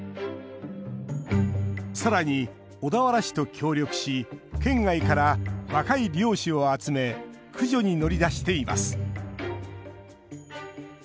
さらに、小田原市と協力し県外から若い猟師を集め駆除に乗り出しています。